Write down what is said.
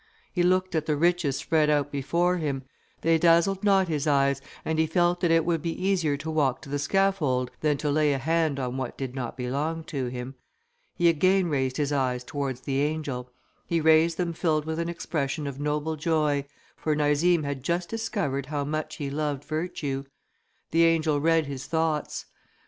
He looked at the riches spread out before him; they dazzled not his eyes, and he felt that it would be easier to walk to the scaffold, than to lay a hand on what did not belong to him. He again raised his eyes towards the angel: he raised them filled with an expression of noble joy, for Narzim had just discovered how much he loved virtue. The angel read his thoughts.